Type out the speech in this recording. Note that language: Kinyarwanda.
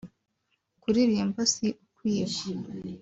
kuririmba si ukwiba